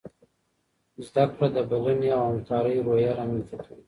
زده کړه د بلنې او همکارۍ روحیه رامنځته کوي.